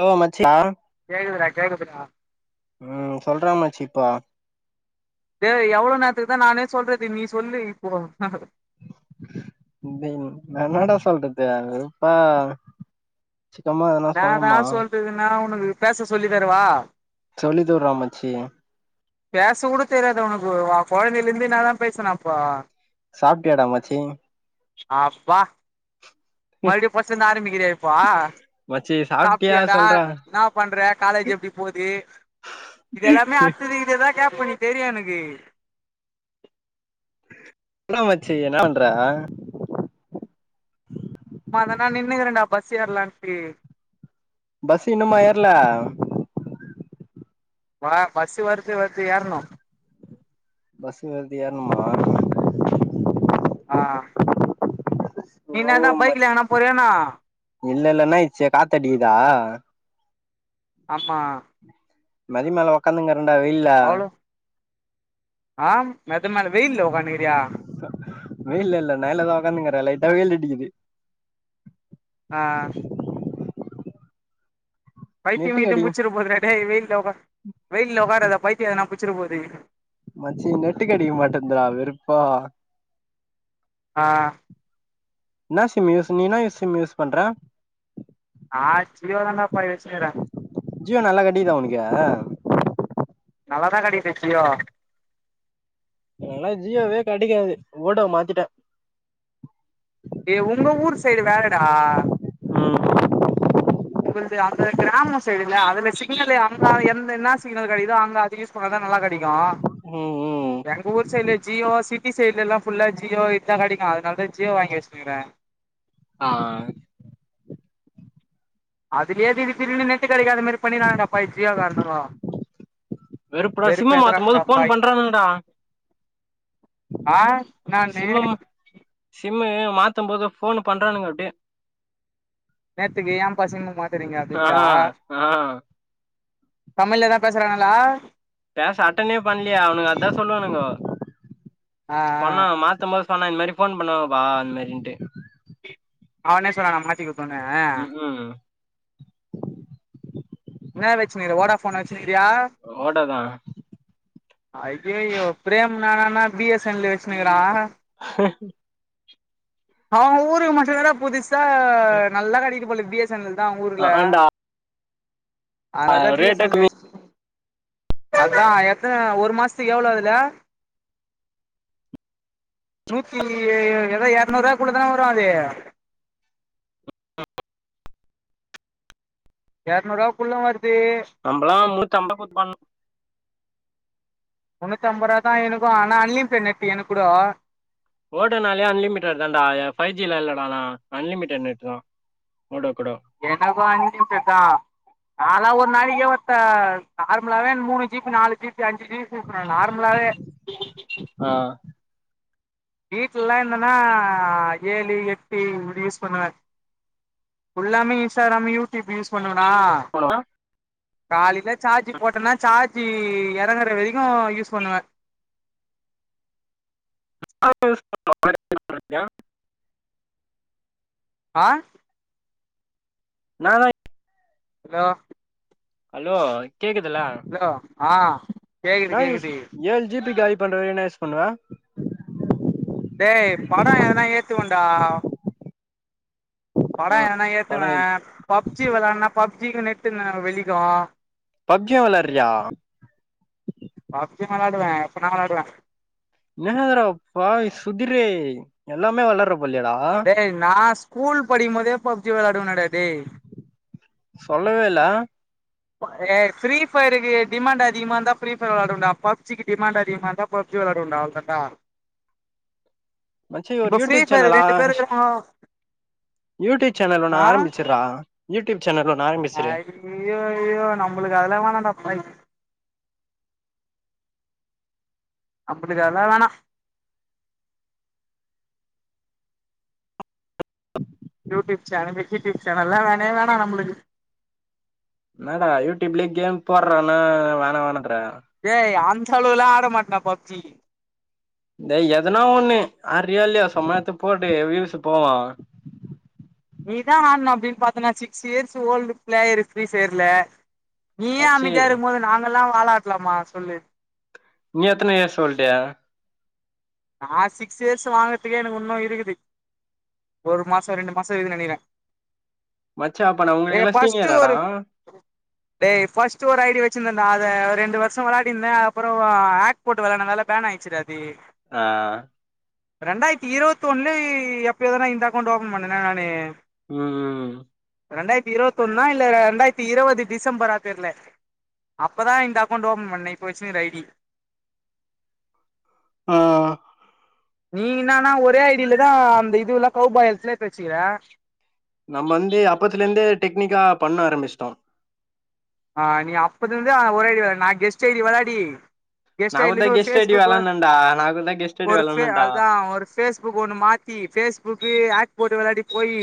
hello மச்சியா கேக்குதுடா கேக்குதுடா ம் சொல்றா மச்சி இப்போ டேய் எவ்ளோ நேரத்துக்கு தா நானே சொல்றது நீ சொல்லு இப்போ அ டேய் நா என்னாட சொல்றது இப்ப சிக்கமா அதுலா நா தா சொல்றது நா உனக்கு பேச சொல்லி தரவா சொல்லி தருவா மச்சி பேச கூட தெரியாதா உனக்கு கொழந்தைல இருந்து என்னாத பேசன அப்போ சாப்டியாட மச்சி அப்பா மறுபுடியு ஃபஸ்ட்ல இருந்து ஆரம்பிக்கிறியா இப்போ மச்சி சாப்ட்டியா சாப்ட்டியடா சொல்றா என்னா பண்ற காலேஜ் எப்டி போது இதுல்லாமே அடுத்தது இதுதா கேப்ப எனக்கு தெரியு எனக்கு என்னாட மச்சி என்னா பண்ற சும்மாதாண்டா நின்னுக்குறண்டா பஸ் ஏரலான்ட்டு பஸ்ஸு இன்னுமா ஏர்ல போடா பஸ் வருது வருது எர்ணு பஸ்ஸு வருது ஏற்ணுமா ஆ நீ ஓ என்னாதா மச் பைக்ல எங்கன போறீயா என்னா இல்ல இல்ல என்னா ஆய்ர்ச்சு காத்தடிக்குதா ஆமா மதிமேல உக்காந்னுக்குறண்டா வெயில்ல ஆம் மேத்த மேல வெயில்ல உக்காந்னுக்குரியா வெளில இல்ல நெழ்லதா உக்காந்னுக்குறே லைட்டா வெயிலடிக்குது ஆ பைத்தியு நெட்டுக்கு கீத்தியு அடி புச்சிற போதுடா டேய் வெயில்ல ஒகா வெயில்ல ஒகாரதா பைத்தியோ அதனா புச்சிற போது மச்சி நெட்டு கெடைக்க மாட்டேந்துடா வெறுப்பா ஆ என்னா சிம் யூஸ் நீ எனா சிம் யூஸ் பண்ற நா ஜியோ தாண்டாப்பா வெச்சிகிறே ஜியோ நல்லா கடைகிதா உனக்கு நல்லதா கடைக்குது ஜியோ எனக்குலா ஜியோவே கடைக்காது ஓடோ மாத்திட்டே ஏ உங்க ஊர் சைடு வேறடா எங்களுது அந்த கிராமோ சைடுல அதுல சிக்னலு அங்க எந்த என்ன சிக்னல் கெடைக்குதோ அங்க அத் து யூஸ் பண்ணாதா நல்லா கெடைக்கு ம் ம் எங்க ஊர் சைட்ல ஜியோ சிட்டி சைட்லலா ஃபுல்லா ஜியோ இத்தா கெடைக்கு அதனாலதா ஜியோ வாங்கி வெச்சிட்ருக்கே ஆ அதுலயே திடீர் திடீருனு நெட்டு கடைக்காத மாரி பண்ணிறாங்க பை ஜியோ காரனுங்கோ வேற இப்ப நா சிம்மு மாத்தும்போது ஃபோன் பண்றானுங்கடா ஆ என்னானு சிம்மம் சிம்மு மாத்தும்போது ஃபோன் பண்றானுங்க அப்டியே நேத்துக்கு ஏம்பா சிம்மு மாத்துறீங்க ஆ அப்டின்டா ஆ தமிழ்லதா பேசறாங்கலா பேச அட்டனே பண்லயா அவுனுங்க அதா சொல்லுவானுங்கோ ஆ ஆ சொன்னா மாத்த மோ சொன்னா இந்த மாரி ஃபோன் பண்ணுவாங்க பா அந்த மாரின்ட்டு அவனே சொன்னானா மாத்தி குடுத்தோனே ம் ம் என்ன வெச்சுனுருக்க ஓடா ஃபோனா வெச்சுனுருக்கியா ஓடோதா ஐயய்யோ ப்ரேம் என்னடானா பி எஸ் என் எல் வெச்சுனுக்குறா அவுங்க ஊருக்கு மட்டு என்னடா புதுசா நல்லா கெடிக்கிது போலக்குது எஸ் என் எல் தா ஊர்ல ஆண்டா அதனால தான பி எஸ் ரேட்டே என் எல் கம்மி வச்சி அதா எத்தன ஒரு மாசத்துக்கு எவ்ளோ அதுல நூத்தி ஏதாே எரநூ ரூவா குள்ள தான வரு அது [inaudible] எரநூ ரூவாகுள்ள வருது நம்மளா முன்னித்அம்பதுக்கு போட்டுபாங்க முன்னூத்திஐம்பது ரூவா தா எனக்கு ஆனா அன்லிமிட்டெட் நெட் எனக் கூடோ ஓடோனாலே அன்லிமிட் தாடா ஃபைவ் ஜிலா இல்லடா நா அன்லிமிட்டடு நெட் தா ஓடோக்குடோ எனக்கு அன்லிமிட்டட் தா ஆனா நாளா ஒரு நாளைக்கே ஒருத்த நார்மலாவவே மூணு ஜி பி நாலு ஜி பி அஞ்சு ஜி யூஸ் பண்ணுவே நார்மலாவே ஆன் வீட்லலா இருந்தனா ஏழு எட்டு இப்டி யூஸ் பண்ணுவே ஃபுல்லாமே இன்ஸ்டாகிராமு யூடியூப் யூஸ் பண்ணுவனா ஹலோ காலில சார்ஜி போட்டனா சார்ஜி எறங்குற வரைக்கு யூஸ் பண்ணுவே [inaudible] யூஸ் பண்ணுவ இறங்குற வரிக்கு ஆ என்னதா ஹலோ ஹலோ கேக்குதுல ஹலோ ஆன் என்ன யூஸ் ஏழு ஜி பி காளி பண்ற அளவு என்ன யூஸ் பண்ணுவ டேய் படோ எதுனா ஏத்துவேண்டா படோ ம் எதுனா பண ஏத்துவே பப்ஜி விளயாடுனா பப்ஜிக்கு நெட்டு ந வெளிக்கு பப்ஜி விளயாட்றியா பப்ஜி விளயாடுவே எப்பனா விளாடுவே என்னடா பாவி சுகிரே எல்லாமே விளாடுற போலயே டா டேய் நா ஸ்கூல் படிக்கும் போதே பப்ஜி விளாடுவேனடா டேய் சொல்லவேல்ல ஏய் ஃப்ரீ ஃபயர்க்கு டிமாண்ட் அதிகமா இருந்தா ஃப்ரீ ஃபயர் விளாடுவே டா பப்ஜிக்கு டிமாண்ட் அதிகமா இருந்தா பப்ஜி விளாடுவே டா அவ்ளோ தான் டா மச்சி ஒரு இப்ப ஃப்ரீ யூடியூப் ஃபயர் சேனலா ரெண்டு பேரு இருக்குறாங்கோ யூடியூப் சேனல் ஒண்ணு ஆ ஆரம்பிச்சுறா யூடியூப் சேனல் ஒண்ணு ஆரம்பிச்சுரு ஐயயோ நம்மளுக்கு அதெல்லா வேணான்டாப்பா அப்டிதல்லா வேணா யூடியூப் சேனல் கியூடியூப் சேனல்லா வேணவே வேண நம்முளுக்கு என்னடா யூடூப்லயே கேம் போறன வேணா வேணாண்ற டேய் அந்த அளவுலாம் ஆட மாட்டேன்டா பப்ஜி டேய் எதனா ஒண்ணு அறியோ இல்லயோ சும்மா எத்து போட்டுட வியூஸ்ஸு போவுன் நீதான் ஆட்ணும் அப்டின்னு பாத்தனா six years old player free ஃப்யர்ல நீயே மச்சி அமதியா இருக்கும் போது நாங்க எல்லா வால் ஆட்டலாமா சொல்லு நீ எத்தன ஏ சொல்லிட்டியா நா சிக்ஸ் இயர்ஸ் வாங்கறதுக்கே எனக்கு இன்னு இருக்குது ஒரு மாசோ ரெண்டு மாசோ இருக்கு நெனக்கிறே மச்சா அப்பா நா உங்கக்கெல்லா சீனியராடா டேட் பஃபஸ்ட்டு ஒரு ஐ டி வச்சிருந்தேன்டா அத ரெண்டு வருஷ விளாடிருந்தே அப்பறோ ஆக்ட் போட்டு வில்லாதனால பேன் ஆயிச்சிடாது ஆ ரெண்டாயிரத்தி இருபத்தி ஒண்ணுல எப்யோ தான இந்த அக்கௌண்ட் ஓபன் பண்ணேனா நானு ம் ம் ரெண்டாயிரத்தி இருவத்தி ஒன்னா இல்ல ரெண்டாயிரத்தி இருவது டிசம்பரா தெர்ல அப்பதா இந்தா ஆக்கோண்டு ஓபன் பண்ணுனே இப்போ வச்சுகிற ஐ டி ஆ ஆ நீ நான்னா ஒரே ஐடியிலதா அந்த இதுல்லா கவு பாயல்ஸ்ல வச்சுக்கிற நம்ம வந்து அப்பத்துலருந்தே டெக்னிக்கா பண்ண ஆரம்பிச்சிட்டோ ஆ நீ அப்போதுருந்து ஓரையடி நா கெஸ்ட்ய ஐ டி விளாடி நா ஹெஸ்ட் ஐ டி கூடதா இலந்து ஒரு கெஸ்ட் ஐடி பேஸ்புக் வெளாட்னேன்டா நா கூடதா கெஸ்ட் ஐடி ஒரு வெளாட்னேன்டா அதா ஒரு பேஸ்புக் ஒண்ணு மாத்தி பேஸ்புக் ஆக் போட்டு விளாயாடி போய்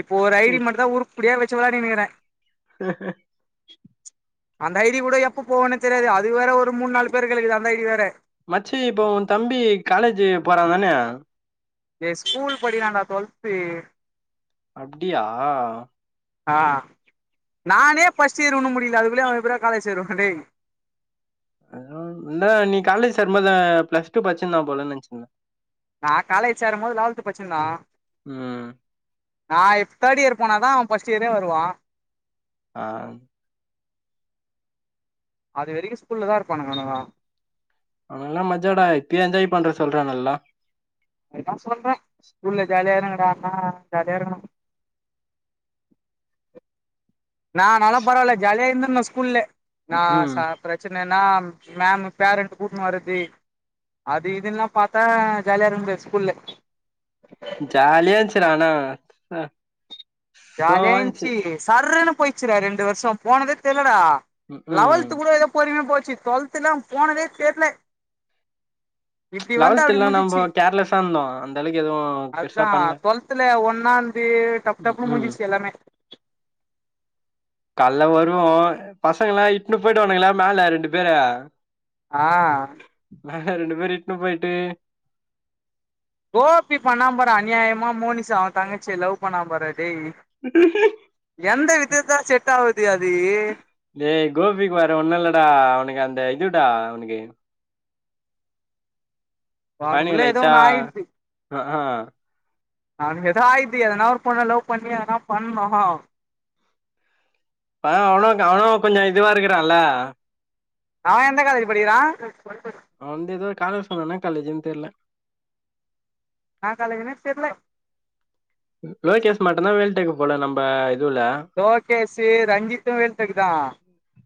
இப்போ ஒரு ஐ டி மட்டுந்தா உருப்படியா வச்சி விளாடினுக்கிறே அந்த ஐ டி கூட எப்ப போனே தெரியாது அது வேற ஒரு மூணு நாலு பேர் கிக்குது அந்த ஐ டி வேற மச்சி இப்போ உ தம்பி காலேஜ் போறா தானே ஏ ஸ்கூல் படிக்கிறாண்டா டுவல்த்து அப்டியா ஆ நானே ஃபர்ஸ்ட் இயர் ஒனு முடில அதுள்ளயே அவ காலேஜ் செருவா டேய் அத இந்த நீ காலேஜ் சர்மத ப்ளஸ் டூ பச்சிருந்தா போல நெனச்சிருந்தே நா காலேஜ் சேரும் போது லெவல்த் பச்சிருந்த ம் நா தேர்ட் இயர் போனா தா அவ ஃர்ஸ்ட் இயரே வருவா ஆ அது வெறிக்கி ஸ்கூல்ல தா இருப்பானங்க அவுனுங்க அவனல்லா மஜடா எப்பயே என்ஜாய் பண்ற சொல்றே நல்லா அதுதா சொல்றே ஸ்கூல்ல ஜாலியா இருங்கடா அம்மா ஜாலியா இருக்கணும நா நல்லா பரவால்ல ஜாலியா இருந்தந்தே ஸ்கூல்ல நா ம் சார் பிரச்சன்னா மேம் பேரண்ட் கூட்னு வரது அது இதுன்ல்லா பாத்தா ஜாலியா இருக்க முடியாது ஸ்கூல்ல ஜாலியனுச்சிரானா ஜாலியா இந்துச்சு சர்ன்னு போயிச்சுற ரெண்டு வருசோ போனதே தெர்லடா ம் லெவல்த் கூட எதோ பொருமயா போச்சு டுவெல்த் எல்லா போனதே தெர்ல இப்டி வந்து அப்டி லெவல்த்ல்லா நம்ம முடிஞ்சுச்சு கேர்லெஸ்ஸா இருந்தோ அந்த அளவுக்கு எதுவு பெருசா அதுதா பண்ல டுவல்தல ஒன்னாந்து ம் தப்பு ம் முடிஞ்சுச்சு எல்லாமே கால்ல வருவோ பசங்களா இட்னு போயிட்டு வனுங்களா மேல ரெண்டு பேரு ஆ ஆ ரெண்டு பேர் இட்டனு போயிட்டு கோபி பண்ணா பாரு அநியாயமா மோனிச அவ தங்கச்சி லவ் பண்ண பாருடா டேய் எந்த விதத்தா செட் ஆகுது அது லேய் கோபிக்கு வேற ஒன்னு இல்லடா அவ்னுக் அந்த இதுடா அவ்னுக்கு பையனுக்கு பானுக்குள்ள எதோ லைட்டா ஒன்னு ஆயிட்ச்சு ஆ ஆ அவ்னுக் எதோ ஒன்னு ஆயிட்த்து எதனா ஒரு பொண்ண லவ் பண்ணி எதனா பண்ணு அ அவுனக் அவனு கொஞ்ச இதுவா இருக்குறால்ல அவ எந்த காலேஜ் படிக்கிறா அவ் வந்த இதோ காலே சொன்னா இன்னா காலேஜின் தெர்ல நா காலேஜின்னே தெர்ல லோகேஸ் மட்டுந்தா வேல் டெக்கு போல நம்ம இதுவுல லோகேசு ரஞ்சித்து வேல் டெக்கு தா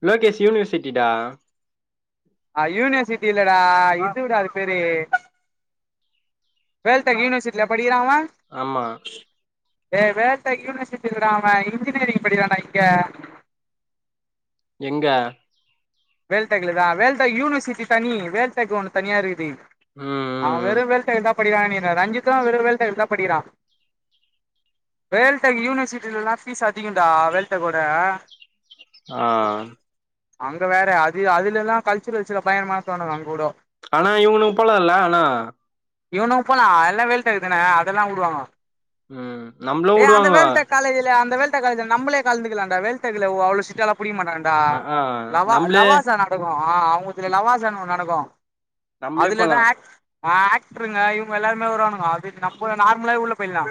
லோகேஸ் யூனிவர்சிட்டிடா அ யனிவர்சிட்டி இல்லடா இதுவ் டா அது பேரு வேல் டேக் யனிவர்சிட்ல்யா படிக்கிறா அவ ஆமா ஏ வேல் யூனிவர்சிட்டி இல்லடா அவ இன்ஜினியரிங் படிக்றான்டா இங்க எங்க வேல் டேக்லதா வேல் டடெக் யூனிவர்சிட்டி தனி வேல் டெக் ஒன்னு தனியா இருக்குது ம் அவ ம் வெறு ம் வேல் டெக்ல் தா படிக்குறா நெனக்கிற ரஞ்சித்து வெறு வேல் டெக் தா படிக்கிறா வேல் டெக் யூனிவர்சிட்டிலல்லா ஃபீஸ் அதிகொன்டா வேல் டெக் ஒட ஆ இது வேற அது அதுலல்லா கல்ச்சுரல்ஸுல பயங்றமாத்துவானுங் அங் கூடோ ஆனா இவ்ங்னுங் போலால்ல அனா இவுனுங் போலா எல்லா வேல் டெக் தான அதல்லா உடுவாங்க ம் நம்ப்ளு ஏ அந்த வேல் டெக் காலேஜில அந்த வேல் டெக் காலேஜில நம்பலே கந்துக்குலான்டா வேல் டெக்குல ஒ அவ்ளோ சிட்டாலா புடிக்மாட்டாங் டா ஆ ஆ லவா நம்ளே லவாசா நட் நடக்கு அ அவுங்குல்துல லவாசான் ஒன் நடக்கு நம்ளே போலா அதுலதோ ஆட் அ ஆக்ட்ருங்க இவுங்க எல்லாருமே வர்வானுங்க அது நம்புல நார்மலாவே உள்ள போயில்லா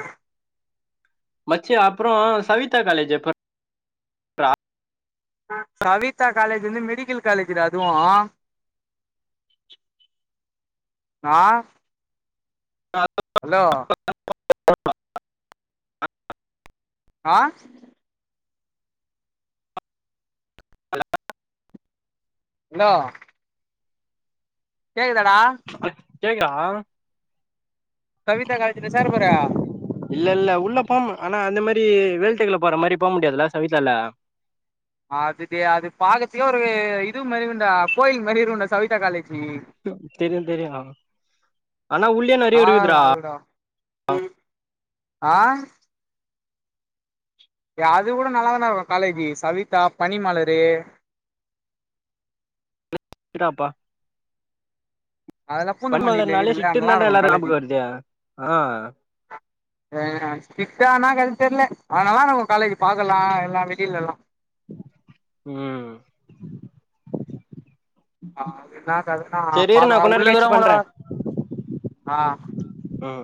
மச்சி அப்றோ சவிதா காலேஜ் எப்பர் கவிதா காலேஜ் வந்து மெடிக்கில் காலேஜ்றா அதுவு ஆ [inaudible] அலோ ஆ ல்லோ கேக்குதடா அக் கேக்தா சவிதா காலஜில்ல சேர போற இல்ல இல்ல உள்ள போம் அனா அந்த மரி வேல் டெக்குல போற மரி போம் முடியாதுல்ல சவிதால அது டே அது பக்கத்துக்கே ஒரு இது மேரு இக்குன்டா கோயில் மரி இருக்குன்டா சவிதா காலேஜி தெரியு தெரியு ஆனா உள்ளயு நறைய நல்லாதா இருக்குதுடா இருக்கு அது கூட ஆ ஏ அது கூட நல்லாதான்டா இருக்கு காலேஜி சவிதா பனிமலரு இதாப்பா அதெல்லா பன்மலர் பூந்தமல்லில நாலே இருக்குதுல்ல நல்லா ஷிட்டுன்தான்டா இருக்கு எல்லாரு காலேஜி ஞாபக வருது அ ஆ ஸ்ரிட்டானா எனக்கு அது தெரியல அதனாலா நம்ம காலேஜ் பாக்கலா எல்லா வெளில எல்லா ம் ஆ என்னதுனா செரி இரு நா பாத்த கொஞ் நேரோ கழிச்சு உள்ளக்கறங்ள பண்றே ஆ ம்